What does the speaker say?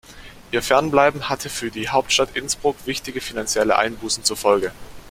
Ihr Fernbleiben hatte für die Hauptstadt Innsbruck wichtige finanzielle Einbußen zur Folge.